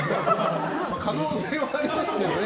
可能性はありますけどね。